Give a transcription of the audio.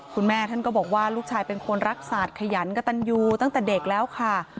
คุณแม่ท่านก็บอกว่าลูกชายเป็นคนรักสัตว์ขยันกระตันยูตั้งแต่เด็กแล้วค่ะ